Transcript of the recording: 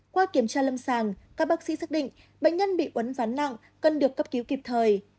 qua kiểm tra lâm sàng các bác sĩ xác định bệnh nhân bị uốn ván nặng cần được cấp cứu kịp thời